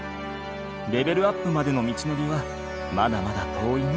レベルアップまでの道のりはまだまだ遠いね。